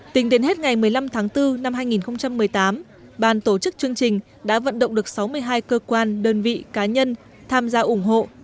tính đến hết ngày một mươi năm tháng bốn năm hai nghìn một mươi tám bàn tổ chức chương trình đã vận động được sáu mươi hai cơ quan đơn vị cá nhân tham gia ủng hộ